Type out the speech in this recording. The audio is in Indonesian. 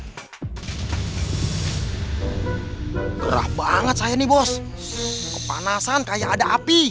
gerah banget saya ini bos kepanasan kayak ada api